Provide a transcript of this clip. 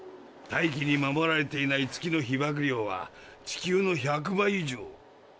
大気に守られていない月のひばく量は地球の１００倍以上。